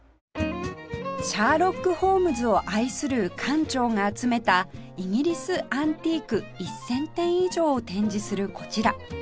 シャーロック・ホームズを愛する館長が集めたイギリスアンティーク１０００点以上を展示するこちら